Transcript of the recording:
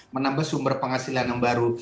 menambah sumber penghasilan yang baru